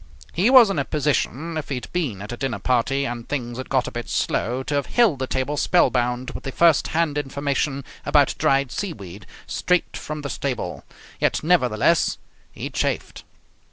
He was in a position, if he had been at a dinner party and things had got a bit slow, to have held the table spellbound with the first hand information about dried seaweed, straight from the stable; yet nevertheless he chafed.